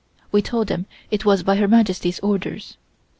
We told them it was by Her Majesty's orders.